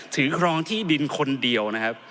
ครองที่ดินคนเดียวนะครับ